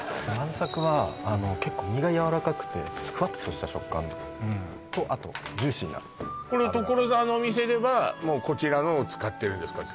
鰻咲は結構身がやわらかくてふわっとした食感とあとジューシーな所沢のお店ではもうこちらのを使ってるんですか？